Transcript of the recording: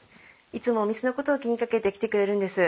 いつもお店のことを気にかけて来てくれるんです。